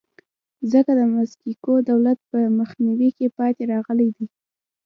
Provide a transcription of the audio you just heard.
ځکه د مکسیکو دولت په مخنیوي کې پاتې راغلی دی.